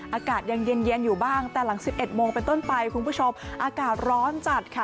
อากาศยังเย็นอยู่บ้างแต่หลัง๑๑โมงเป็นต้นไปคุณผู้ชมอากาศร้อนจัดค่ะ